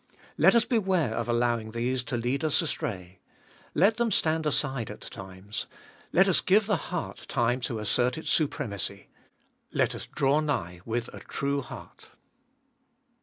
Let us beware of allowing these to lead us astray. Let them stand aside at times. Let us give the heart time to assert its supremacy. Let us draw nigh with a true heart.